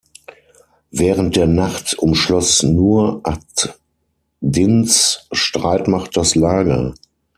Während der Nacht umschloss Nur ad-Dins Streitmacht das Lager.